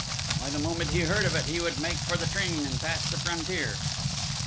Why the moment he heard of it he would make for the train and pass the frontier!"